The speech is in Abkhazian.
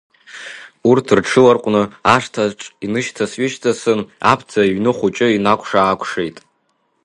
Урҭ рҽыларҟәны, ашҭаҿ инышьҭас-ҩышьҭасын, Аԥҭа иҩны хәҷы инакәша-аакәшеит.